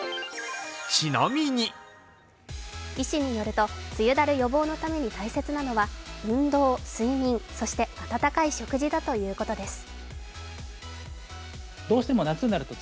医師によると、梅雨だる予防のために大切なのは運動、睡眠、そして温かい食事だということです。